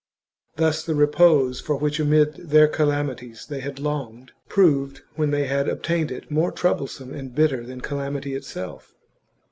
Thus the repose, for which amid their calamities they had longed, proved, when they had obtained it, more troublesome and bitter than calamity itself.